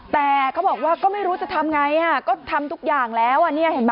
แต่เขาบอกว่าก็ไม่รู้จะทำไงก็ทำทุกอย่างแล้วเห็นไหม